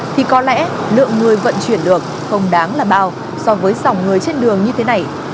thì có lẽ lượng người vận chuyển được không đáng là bao so với dòng người trên đường như thế này